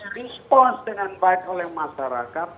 respons dengan baik oleh masyarakat